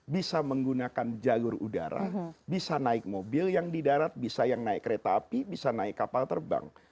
bisa menggunakan jalur udara bisa naik mobil yang di darat bisa yang naik kereta api bisa naik kapal terbang